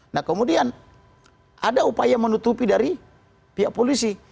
nah kemudian ada upaya menutupi dari pihak polisi